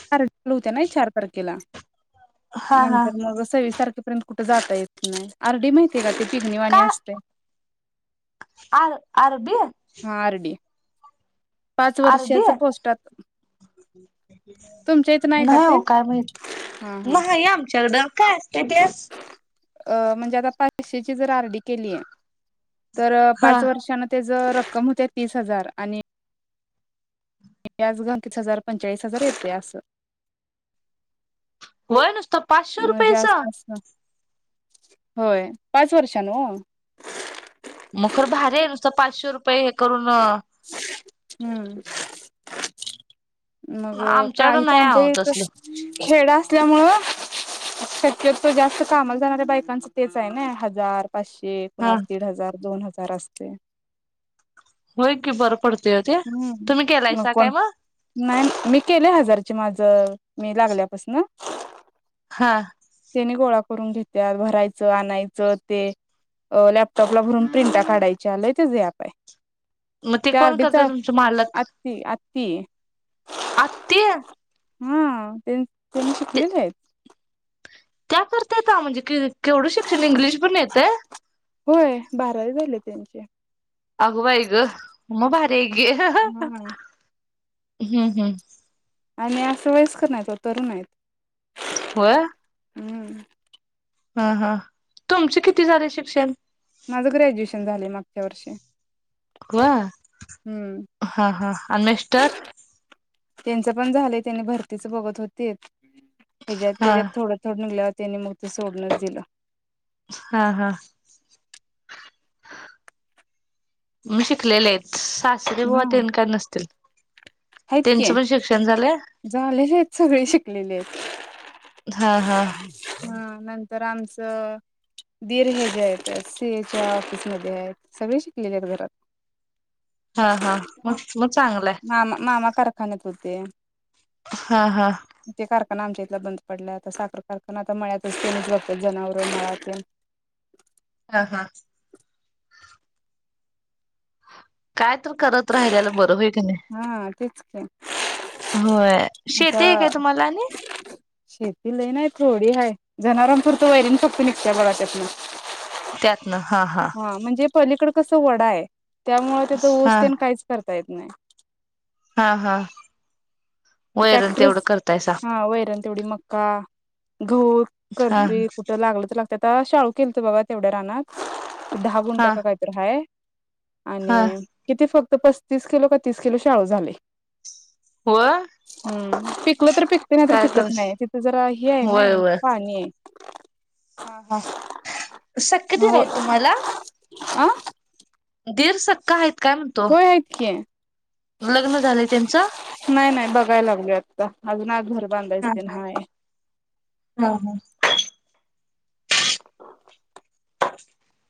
[unintelligible] होत्या नई चार तारखेला हा हा नंतर मग सव्वीस तारखे पर्यंत कुठे जाता येत नाही. आरडी माहिती आहे का? ते का पिघमीवाणी असतंय. आर अरबी आरडी पाच आरडी वर्षाच पोस्टात तुमच्या इथं का नाही ते हो काय माहित. हा हा नाही आमच्याकडं. काय असत ते? अं म्हणजे आता पैशेची जर आरडी केलीय तर हा पाच वर्षान ते रक्कम होते तीस हजार आणि, व्याज तीस हजार पंचेचाळीस हजार येतय असं. होय नुसत पाचशे म्हणजे रुपयेचा? जास्त अस होय पाच वर्षांन वो मग खर भारी आहे नुसत पाचशे रुपये हे करून ह हम्म मग काही आमच्याकडं तर नाही आमच्या आहो इथं तसलं खेडं असल्यामुळं शक्यतो तर जास्त कामाला जाणाऱ्या बायकांच तेच आहे ना हजार पाचशे हा कोणाचं दीड हजार दोन हजार - तार असतय होय की बर हम्म मग कोण नाही मी केले हजाराची माझं मी लागल्यापासन हा त्याने गोळा करून घेत्यात भरायचं आणायचं ते लॅपटॉपला भरून प्रिंटा काढायच्या लय तेच्या व्याप आहे. मग ते कोण करत तुमचं मालक? ती आत्ती? हम्म ते त्यांनी शिकलेल आहेत. त्या करत्यात म्हणजे कि केवढं शिक्षण इंग्लिश पण येतंय? त्यांची अगो बाई ग मग भारी घे ह हा ह आणि असं वयस्कर नाहीत तरुण आहेत. होय? हं हा हा तुमचे किती झाले शिक्षण? माझं ग्रॅज्युएशन झालंय मागच्या वर्षी. ह हम्म हा हा आणि मिस्टर? त्यांचं पण झालंय त्यांनी भरतीच बघत होते. ह्याच्यात हा त्याच्यात थोडंथोडं निघल्यात. त्यांनी मग ते सोडूणच दिलं. हा हा मग शिकलेले आहेत. सासरे बुवा हा तेन काय नसतील? त्यांचं पण शिक्षण झालं, झालेेत सगळे शिक लेलेयत. हा हा [unintelligible] हा नं तर आमचं दीर् हे जे आहेत सी एच्या ऑफिसमधे आहेत. सगळी शिकलेले आहेत घरात. हा हा. [unintelligible] मामा मामा कारखाान्यात होते. हा हा ते ते कारखाना आमचे आता बंद पडलाय आता साखर कारखाना आता मळ्यातच तेनीच बगत्यात जनावर, मळा तेन. हा हा काय तर करत राहिल्याला बर होय कनाही, हा तेच की होय आता शेतीय काय तुम्हाला आणि जनावरां पुरतं वैरन फक्त निघतया बघा त्यातन. त्यात हा म्हणजे पलीकड, कसं वडाय, त्यामुळे तिथं ऊस हा तेन काहीच कर ता येत नाही. हा हा वैरण टॅक्टर तेवढं करतायसा हा वैरन तेवढी मका, गहू हा करतोय कुठं लागल तर लागत्यात, आता शाळू केलत बघा तेवढ्या रानात, दहा गुणट हा का कायतर हाय, हा आणि किती फक् तर पस्तीस किलो का तीस किलो शाळू झालय. होय हम्म, पिकलं तर पिकते नाही तर काय कर पिकत नाही. तिथं जरा हे आहे ना होय होय पाणीय. हा हा, सख्खे आहे दीर हो आहेत तुम्हाला? आ दीर सक्क हाईत. होय की. लग्न झालंय त्यांचं नाई नाई बघाय लागलोय आता. [unintelligible] हा तेन हा, हाय हा हा. [unintelligible]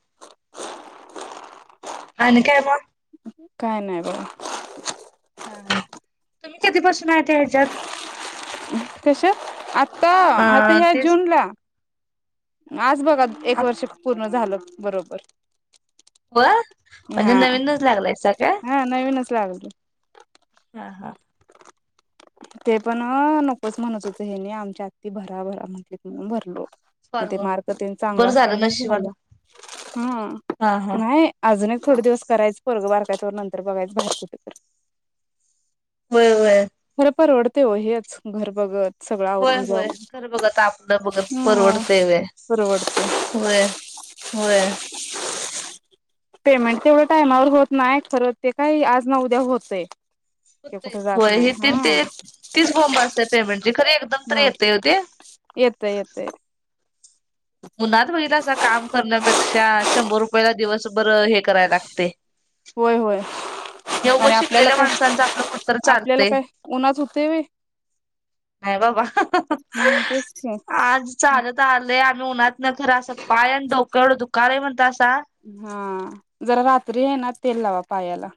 अनी काय मग? काय नाही बघ. ह तुम्ही कधीपासून आहे ह्याच्यात कशात आता अ आता ह्या तेच जूनला आज बघ एक वर्ष पूर्ण झालं. बरोबर व म्हणजे हा नवीनच लागलायसा काय हा नवीनच लागली. हा हा ते पण नकोच म्हणत होत हेनी आमच्या आत्ती भराभरा म्हंटलीत म्हणून भरलो. मग ते फॉर्म मार्क तेन चांगलं बरं झालं असल्यामूळं नशिबान झालं हा हा हं नाही अजून एक थोडे दिवस करायच पोरगं बारकं नंतर बघायचं बाहेर कुठे तर होय होय खरं परवतय ओ हेच घर बघत सगळं होय आवरून होय जाऊन घर बघत आपलं बघत हा परवडतय होय परवडते होय. होय. पेमेंट तेवढं टायमावर होत नाही खरं ते काही आज ना उद्या होतय. ते कुठे जात होय नाही इथ हा ते तीच बोंम्ब असतेय पेमेंटची खरी एकदा तर हा येतय हो ते येतय येतय उनात बघितलासा काम करण्यापेक्षा शंभर रुपयाला दिवस बरं हे कराय लागतय. होय होय योगं आणि आपल्याला शिकलेल्या काय माणसांचं आपलं कुटतर आपल्याला चालतय काय उन्हात होते व्हय नाही बाबा हम्म तेच की आज चालत आलं ते आम्ही उनातंन खर अस पाय आणि डोकं दुकालय म्हण हा जरा रात्री आहे ना. तेल लावा पायाला.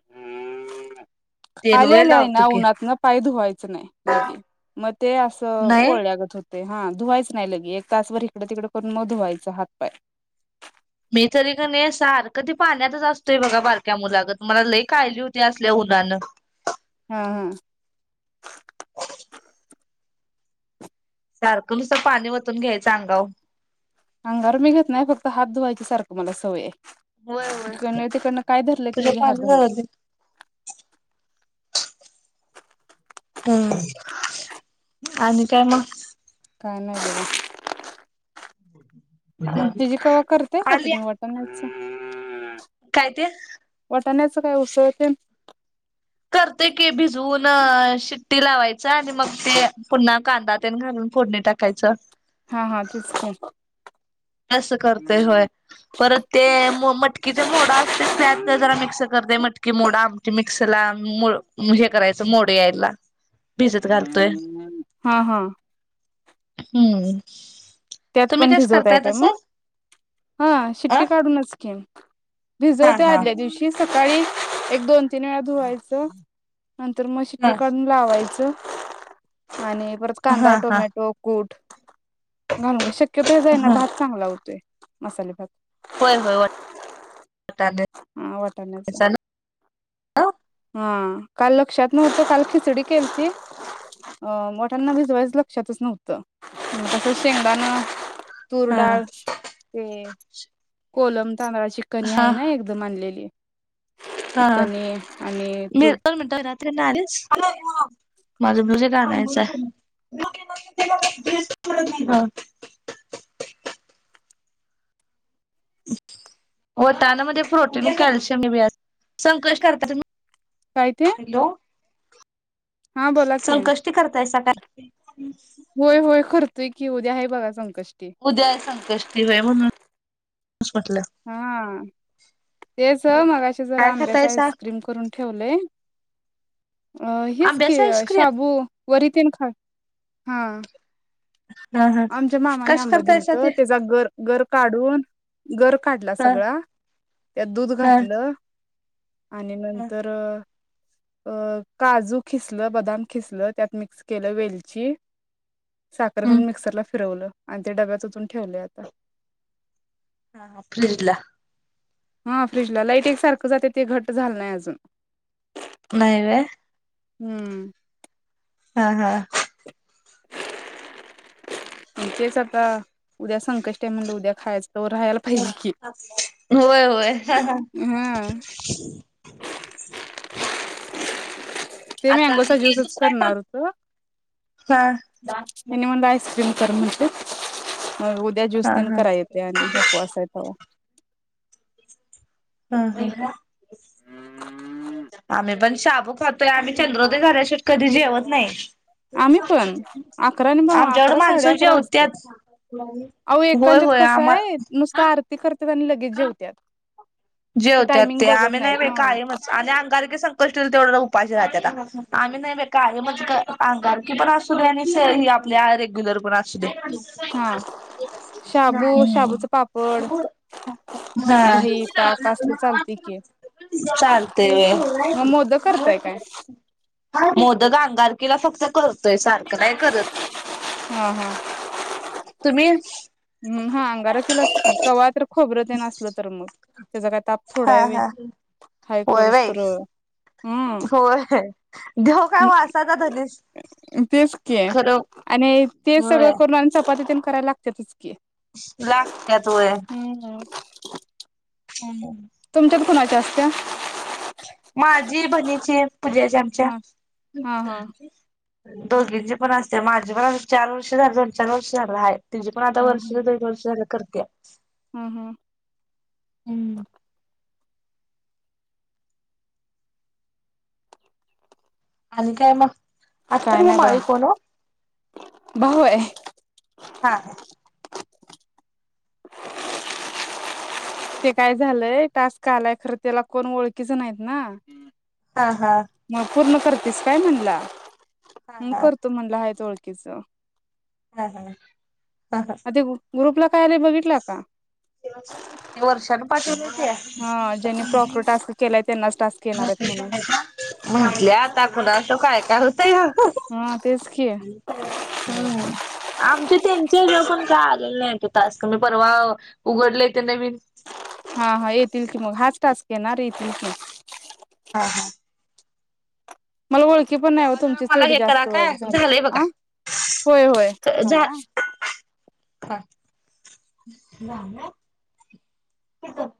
आल्या तेलवय आल्या आहे लावतो ना की उन्हातन पाय धुवायचं नाही लगे मग ते असं नाही पोळल्यागत होत. हा धुवायच नाही लगे एक तासभर इकडं तिकडं करून म धुवायच हात पाय मी तरी कनी सारखं ती पाण्यातच असतोय बघा बारक्या मुलागंत मला कायली होत्या असल्या ऊन्हानं ह ह सारखं नुसतं पाणी वतून घ्यायचं अंगाव अंगावर मी घेत नाही फक्त हात धुवायची सारखं मला सवय हाय. होय होय ईकडनं तिकडनं काय धरलं की तुझ्या लगे हात पाणी धुवाय झालं ते हम् आणि काय मग? काय नाय बगा. हिजी कवा करतेय का आली तुम्ही वाट [inaudible] काय ते वटाण्याच काय उसळ तेन करतोय की भिजवून शिट्टी लावायच आणि मग ते पुन्हा कांदा तेन घालून फोडणी टाकायचं. हा, हा तेच ख अस करतय होय परत ते मो मटकीचा मोड असते त्यात जरा मिक्स करतोय मटकी मोड आम मिक्सरला हे करायचं मोड यायला भिजत घालतोय हा हा हम्म त्यात तुम्ही पण कस करताय भिजवतायत म तसं हा अ शिट्टी काढूनच की हा भिजवतय हा आदल्या दिवशीच सकाळी एक दोन तीन वेळा धुवायचं नंतर मग ह शिट्टी काढून लावायचं आणि परत हा कांदा हा टोमॅटो कूट घालुन ग शक क्यतो जाईना हा भात चांगला होतोय. मसाले भात होय, होय व हा वटाण्याच हा काल लक्षात नव्हतं काल खिचडी केलती अ वटान भिजवायचं लक्षातच नव्हतं म तसंच शेंगदाण तूर हा डाळ ते कोलम तांदळा चि कनी हा आहे ना एक आणलेली हा कनी आणि तूर नाहीच माझं ब्युझ एक आणयच हा [unintelligible] वाटाना मध्ये प्रोटीन कॅल्शियम बी अस संकष करता तुम्ही काय ते? हा बोला की संकष्टी करतायसा काय? [inaudible] होय, होय करतोय की उद्या आहे बघा संक उद्याय संकष्टि होय म्हणून हा तेच मगाशी जरा काय आंब्याचा खातायसा आईस्क्रीम करून ठेवलंय अ हेच की आंब्याच आईस्क्रीम शाबू वरी तिन हा हा हा हा आमच्या मामाने कसं आंबा करतायसा दिलतं ते त्याचा गर गर काढून गर काढला हा सगळा त्यात दूध हा घाटलं आणि हा नंतर अ काजू खिसल बदाम खिसल त्यात मिक्स केलं वेलची साखर हम्म घालून मिक्सर फिरवलं आणि ते डब्यात ओतून ठेवलय आता हा फ्रिजला हा फ्रीजला लाईट एक सारखं जाते ते घट झालं नाही अजून नाही रे. हम्म हा हा म्हंंजेच आता उद्या संकष्टीय म्हणलं उद्या खायाचं. होय होय. हा. ते आता मँगोचा हे ज्यूसच दुसरा करणार टाक होतो हा त्यांनी म्हणलं आईस्क्रीम कर म्हणतेत. उद्या ज्युस हा तेन हा कराय येतय आणि उपवास तवा हम हं आम्ही पण शाबू खातोय आम्ही चंद्रोदय झाल्याशिवाय कधी जेवत नाही. आम्ही पण अकरा आणि भा आमच्याकडं अकरा साडे माणसं अकरा वाजत्यात जेवत्यात आहो होय एकांच्यात होय कसं आम्हा आहे नुसत आरती करत [unintelligible] आणि लगेच जेवत्यात. जेवत्यात टायमिंग ते बघत आम्ही नाही नाहीत बाइ हा कायमच आणि अंगारकी संकष्टी तर तेवढ उपाशी राहतेता आम्ही नाही बाई कायमच क अंगारकी पण असूदे आणि से ही आपलं रेग्युलर पण असू दे. हा शाबू शाबूचा पापड हम्म हा. दही ताक आसल चालत की, चालतंय व्हय. मग मोदक करताय काय? तिला फक्त करतोय सारखं नाही करत. हा हा तुम्ही हम्म हा अंगारकीलाच की तवा तर खोबरं तेन असलं तर मग त्याचा काय ताप थोडा हा व्हय हा हाय होय बाई करोस्तर हम्म होय देव काय वासाचा धनीस तेच के खरं आणि तेच सगळं होय करून आणि चपाती तेन कराय लागत्यातच कि लागतात व्हय [unintelligible] [unintelligible] तुमच्यात कुणाच्या असत्या? चहा हा हा हा दोघींचे पण असत्याय, माझे पण चार वर्ष झाले दोन चार वर्ष झालं हाय. त्याचे पण आता हम्म वर्ष हम्म दीड वर्ष झालं कर [unintelligible] हम्म हम्म हम्म आणि काय मग काय अथर्व नाही बघा माळी कोन हो? भाऊ हाय. हा ते काय झालंय टास्क आलाय खरं त्याला कोण ओळखीच नाहीत ना. हा हा मग पूर्ण करतेस काय म्हणला? हम् हा करतो म्हणला. ओळखीचं हं हं अ ते ग्रुपला काय आलय बघितला का? ते वर्षान पाठवलय. हा ज्यांनी प्रॉपर टास्क केलाय त्यांनाच टास्क येणार आहेत म्हणून [unintelligible] म्हटले आता कुणाचं काय काय होतया हा तेच की हम आमच्या त्यांच्या इथं पण काय आलेलं नाही टास्क मी परवा उघडले ते नवीन. हा हा येतील की मग हाच टास्क येणार येतील की [unintelligible] मला ओळखी पण नाही तेव्हा जरा तुमचीच मला तेवढी हे करा जास्त ओळख काय झाल्या. झालंय हं होय होय बघा झा थांबा हा हा